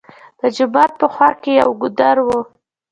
د جومات په خوا کښې يو ګودر وو